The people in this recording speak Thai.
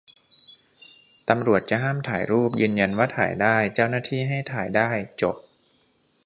ตำรวจจะห้ามถ่ายรูป ยืนยันว่าถ่ายได้ เจ้าหน้าที่ให้ถ่ายได้ จบ